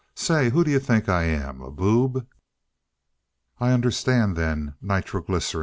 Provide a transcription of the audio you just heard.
Say, who d'you think I am, a boob?" "I understand, then. Nitroglycerin?